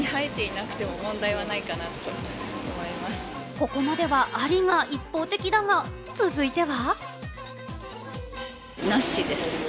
ここまでは「あり」が一方的だが、続いては。